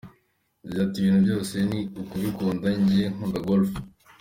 Yagize ati “Ibintu byose ni ukubikunda, njye nkunda Golf.